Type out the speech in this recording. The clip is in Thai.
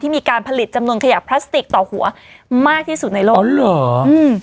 ที่มีการผลิตจำนวนขยะพลาสติกต่อหัวมากที่สุดในโลก